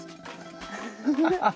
フフフッ。